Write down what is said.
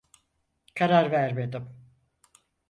Karar vermedim.